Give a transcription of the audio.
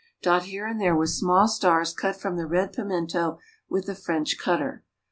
Dot here and there with small stars cut from the red pimento with a French cutter.